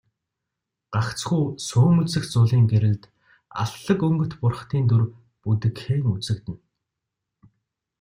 Гагцхүү сүүмэлзэх зулын гэрэлд алтлаг өнгөт бурхдын дүр бүдэгхэн үзэгдэнэ.